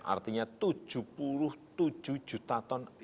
artinya tujuh puluh tujuh juta ton gantum ada di